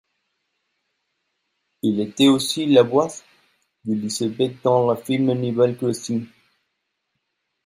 Elle a été aussi la voix d'Élisabec dans le film Animal Crossing.